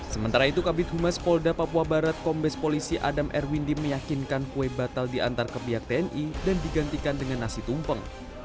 sementara itu kabit humas polda papua barat kombes polisi adam erwindi meyakinkan kue batal diantar ke pihak tni dan digantikan dengan nasi tumpeng